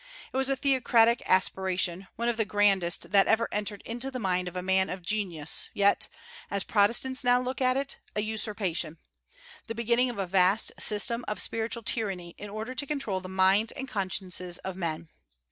It was a theocratic aspiration, one of the grandest that ever entered into the mind of a man of genius, yet, as Protestants now look at it, a usurpation, the beginning of a vast system of spiritual tyranny in order to control the minds and consciences of men.